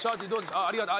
あっありがとう。